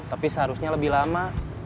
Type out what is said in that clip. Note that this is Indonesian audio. tapi seharusnya lebih lama